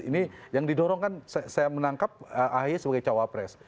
ini yang didorongkan saya menangkap ahy sebagai cawapres